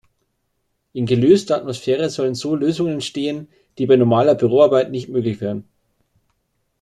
In gelöster Atmosphäre sollen so Lösungen entstehen, die bei normaler Büroarbeit nicht möglich wären.